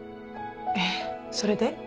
えっそれで？